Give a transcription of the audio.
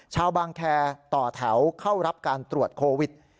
ชาวบางแคร์ต่อแถวเข้ารับการตรวจโควิด